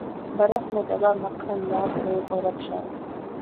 برف میں دبا مکھن موت ریل اور رکشا